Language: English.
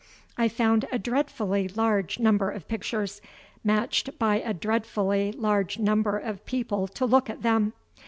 I found a dreadfully large number of pictures, matched by a dreadfully large number of people to look at them.